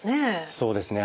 そうですね